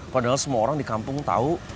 padahal semua orang di kampung tahu